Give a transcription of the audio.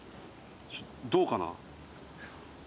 どうかな？